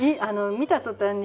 見た途端に？